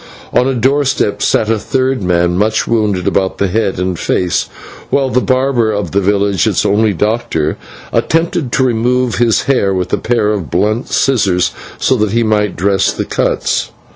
On a doorstep sat a third man, much wounded about the head and face, while the barber of the village, its only doctor, attempted to remove his hair with a pair of blunt scissors, so that he might dress the cuts.